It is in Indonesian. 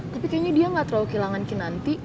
tapi kayaknya dia gak terlalu kehilangan kinanti